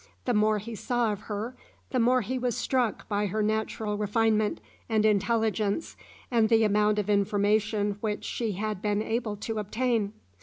The more he saw of her, the more he was struck by her natural refinement and intelligence, and the amount of information which she had been able to obtain.